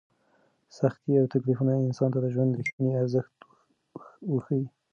سختۍ او تکلیفونه انسان ته د ژوند رښتینی ارزښت وښيي.